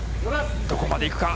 どこまで行くか。